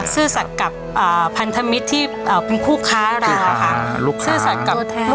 ซื่อสักกับพันธมิตรที่เป็นคู่ค้าร้าน